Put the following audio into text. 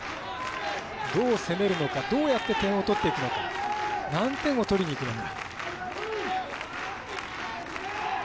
どう攻めるのか、どうやって点を取っていくのか何点を取りにくるのか。